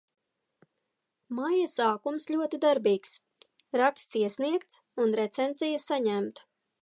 Maija sākums ļoti darbīgs. Raksts iesniegts un recenzija saņemta.